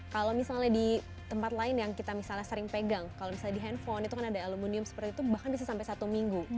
kalau misalnya di tempat lain yang kita misalnya sering pegang kalau misalnya di handphone itu kan ada aluminium seperti itu bahkan bisa sampai satu minggu